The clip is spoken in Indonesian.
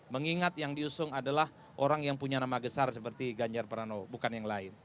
mengingat yang diusung adalah orang yang punya nama besar seperti ganjar prano bukan yang lain